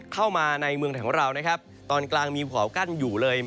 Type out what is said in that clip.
เข้ามาในเมืองแถงว่าเราตอนกลางมีขว่ากั้นอยู่เลย